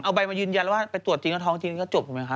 เอาใบมายืนยันว่าไปตรวจจริงแล้วท้องจริงก็จบใช่มั้ยคะ